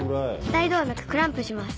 大動脈クランプします。